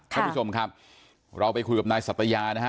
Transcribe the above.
ท่านผู้ชมครับเราไปคุยกับนายสัตยานะฮะ